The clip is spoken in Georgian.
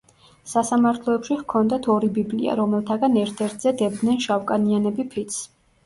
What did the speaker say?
სასამართლოებში ჰქონდათ ორი ბიბლია, რომელთაგან ერთ-ერთზე დებდნენ შავკანიანები ფიცს.